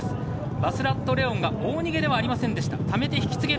バスラットレオンが大逃げではありませんでした。